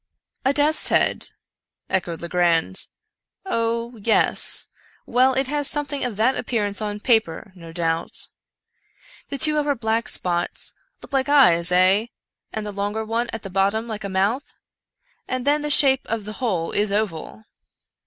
" A death's head !" echoed Legrand. " Oh — yes — well, it has something of that appearance upon paper, no doubt. The two upper black spots look like eyes, eh ? and the longer one at the bottom like a mouth — and then the shape of the whole is oval."